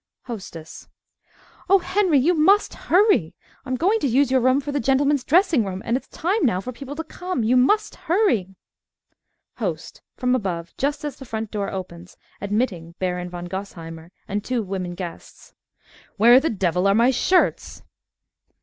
HOSTESS Oh, Henry! You must hurry I'm going to use your room for the gentlemen's dressing room, and it's time now for people to come. You must hurry. HOST (from above, just as front door opens, admitting Baron von Gosheimer and two women guests) Where the devil are my shirts?